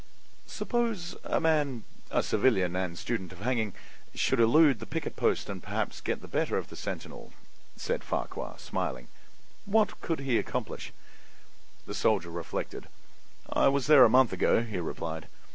"Suppose a man—a civilian and student of hanging—should elude the picket post and perhaps get the better of the sentinel," said Farquhar, smiling, "what could he accomplish?" The soldier reflected. "I was there a month ago," he replied.